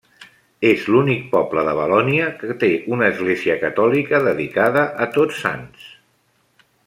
És l'únic poble de Valònia que té una església catòlica dedicada a Tots Sants.